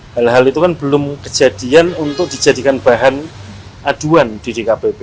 hal hal itu kan belum kejadian untuk dijadikan bahan aduan di dkpp